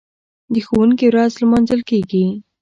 د ښوونکي ورځ لمانځل کیږي.